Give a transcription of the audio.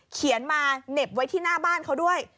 เขียนมาเหน็บไว้ที่หน้าบ้านเขาด้วย